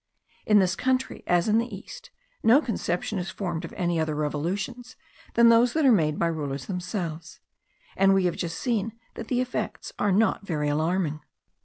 In this country, as in the East, no conception is formed of any other revolutions than those that are made by rulers themselves; and we have just seen that the effects are not very alarming.